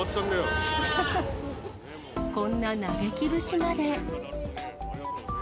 こんな嘆き節まで。